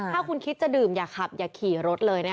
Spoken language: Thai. ถ้าคุณคิดจะดื่มอย่าขับอย่าขี่รถเลยนะคะ